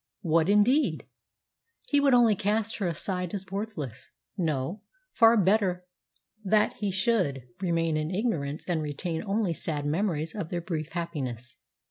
What indeed? He would only cast her aside as worthless. No. Far better that he should remain in ignorance and retain only sad memories of their brief happiness.